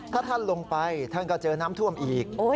ถ้าท่านลงไปท่านก็เจอน้ำท่วมอีก